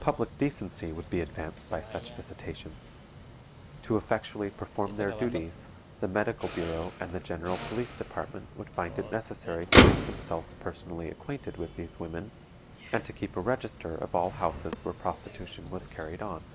Public decency would be advanced by such visitations. To effectually perform their duties the Medical Bureau and the General Police Department would find it necessary to make themselves personally acquainted with these women, and to keep a register of all houses where prostitution was carried on.